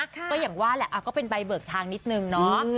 ก็อย่างว่าแหละก็เป็นใบเบิกทางนิดนึงเนาะ